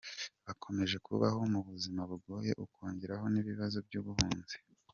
Bakomeje kubaho mu buzima bugoye ukongeraho n’ibibazo by’ubuhunzi.